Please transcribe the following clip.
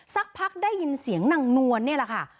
สักพักได้ยินเสียงนางนวลนี่แหละค่ะ